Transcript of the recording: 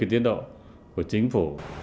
tiến độ của chính phủ